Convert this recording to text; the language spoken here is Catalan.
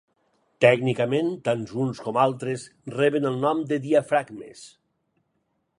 Tècnicament, tant uns com altres reben el nom de diafragmes.